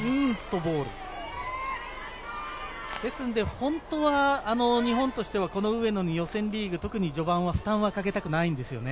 本当は日本としては上野の予選リーグ特に序盤、負担はかけたくないんですよね。